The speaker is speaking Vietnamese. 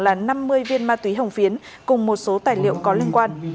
là năm mươi viên ma túy hồng phiến cùng một số tài liệu có liên quan